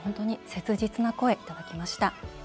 切実な声、いただきました。